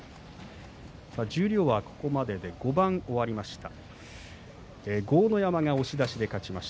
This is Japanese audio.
十両は、ここまでで５番終わりました。